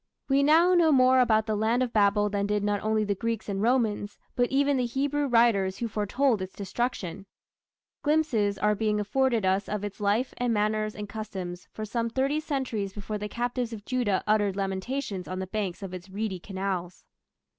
We now know more about "the land of Babel" than did not only the Greeks and Romans, but even the Hebrew writers who foretold its destruction. Glimpses are being afforded us of its life and manners and customs for some thirty centuries before the captives of Judah uttered lamentations on the banks of its reedy canals.